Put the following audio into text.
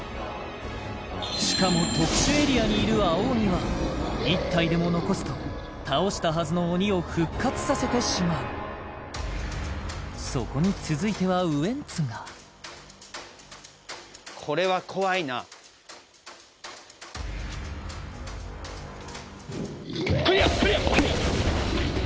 しかも特殊エリアにいる青鬼は１体でも残すと倒したはずの鬼を復活させてしまうそこに続いてはウエンツが来るよ来るよ